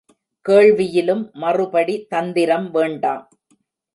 கேள்வியிலும் மறுபடி தந்திரம் வேண்டாம்.